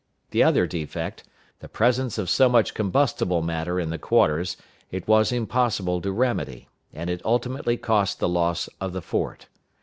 The other defect the presence of so much combustible matter in the quarters it was impossible to remedy, and it ultimately cost the loss of the fort.